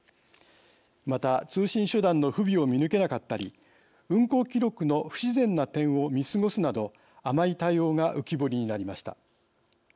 また、通信手段の不備を見抜けなかったり運航記録の不自然な点を見過ごすなど甘い対応が浮き彫りになりました。